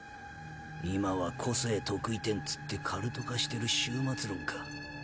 今は個性特異点っつってカルト化してる終末論か。